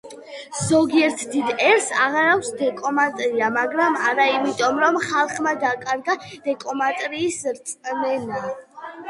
ზოგიერთ დიდ ერს აღარ აქვს დემოკრატია, მაგრამ არა იმიტომ რომ ხალხმა დაკარგა დემოკრატიის რწმენა